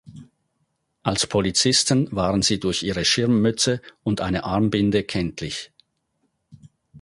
Als Polizisten waren sie durch ihre Schirmmütze und eine Armbinde kenntlich.